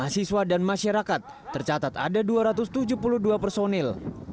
mahasiswa dan masyarakat tercatat ada dua ratus tujuh puluh dua personil